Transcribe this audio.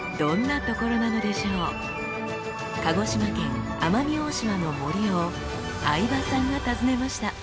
鹿児島県奄美大島の森を相葉さんが訪ねました。